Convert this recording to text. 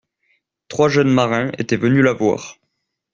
Trois jeunes marins étaient venus la voir.